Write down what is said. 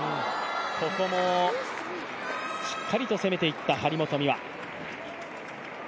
ここもしっかりと攻めていった張本美和。